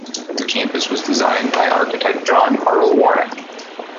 The campus was designed by architect John Carl Warnecke.